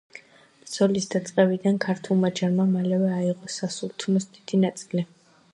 ბრძოლების დაწყებიდან ქართულმა ჯარმა მალევე აიღო სასულთნოს დიდი ნაწილი.